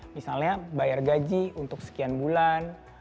misalnya bayar gaji untuk sekian bulan